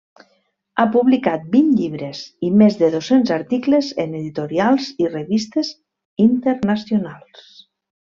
Ha publicat vint llibres i més de dos-cents articles en editorials i revistes internacionals.